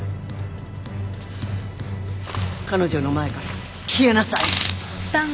彼女の前から消えなさい。